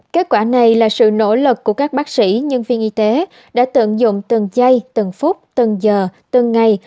kết quả này là sự nỗ lực của các bác sĩ nhân viên y tế đã tận dụng từng chay từng phút từng giờ từng ngày